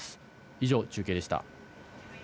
以上、中継でした。